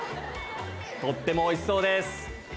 とってもおいしそうです。